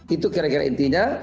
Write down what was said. itu kira kira intinya